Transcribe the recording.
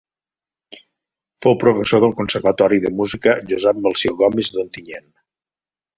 Fou professor del Conservatori de Música Josep Melcior Gomis d'Ontinyent.